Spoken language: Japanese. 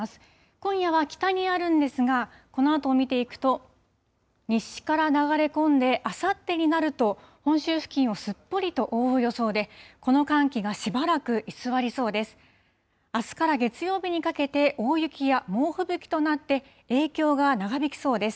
今夜は北にあるんですが、このあとを見ていくと、西から流れ込んで、あさってになると本州付近をすっぽりと覆う予想で、この寒気がしばらく居座りそうです。